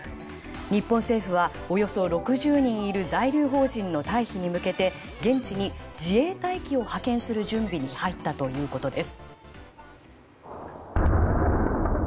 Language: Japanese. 日本政府はおよそ６０人いる在留邦人の退避に向けて現地に自衛隊機を派遣する準備に入ったということです。